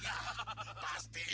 kenal lah besok juga